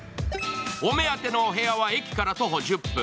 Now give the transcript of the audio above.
お目当てのお部屋は駅から徒歩１０分。